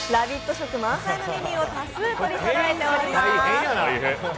色満載のメニューを多数取りそろえております。